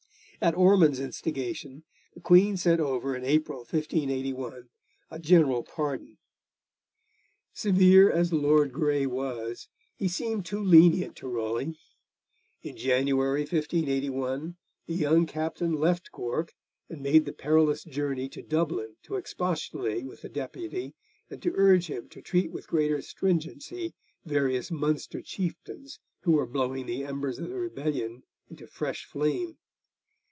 At Ormond's instigation the Queen sent over in April 1581 a general pardon. Severe as Lord Grey was, he seemed too lenient to Raleigh. In January 1581, the young captain left Cork and made the perilous journey to Dublin to expostulate with the Deputy, and to urge him to treat with greater stringency various Munster chieftains who were blowing the embers of the rebellion into fresh flame.